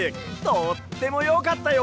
とってもよかったよ！